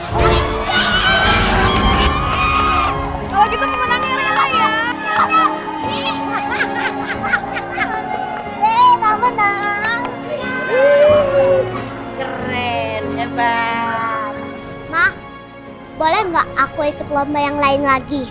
boleh dong sayang tadi kan kamu udah ikut lomba yang lain